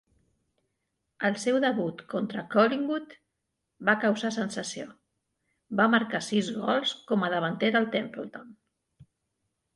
El seu debut contra Collingwood va causar sensació, va marcar sis gols com a davanter del Templeton.